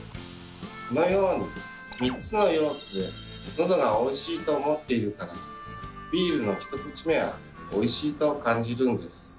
このように３つの要素でのどがおいしいと思っているからビールの１口目はおいしいと感じるんです。